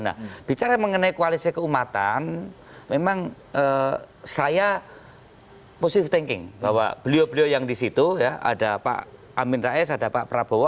nah bicara mengenai koalisi keumatan memang saya positive thinking bahwa beliau beliau yang di situ ya ada pak amin rais ada pak prabowo